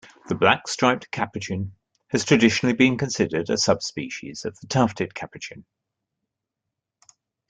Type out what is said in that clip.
The black-striped capuchin has traditionally been considered a subspecies of the tufted capuchin.